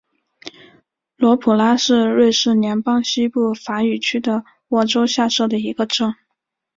罗普拉是瑞士联邦西部法语区的沃州下设的一个镇。